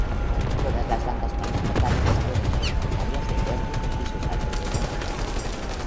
Todas las bandas participantes eran originarias de Bergen y sus alrededores.